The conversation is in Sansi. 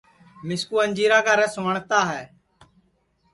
مِسکُو اَنجیرا کا رس وٹؔتا ہے